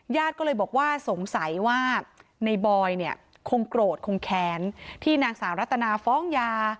ญาติก็เลยบอกว่าสงสัยว่าในบอยเนี่ยคงโกรธคงแค้นที่นางสาวรัตนาฟ้องยา